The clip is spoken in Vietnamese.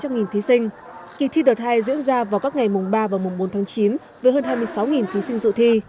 do ảnh hưởng của dịch covid một mươi chín kỳ thi đợt hai diễn ra vào các ngày mùng ba và mùng bốn tháng chín với hơn hai mươi sáu thí sinh dự thi